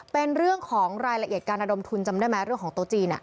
เป็นเรื่องของรายละเอียดการระดมทุนจำได้ไหมเรื่องของโต๊ะจีน